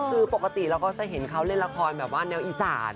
คือปกติเราก็จะเห็นเขาเล่นละครแบบว่าแนวอีสาน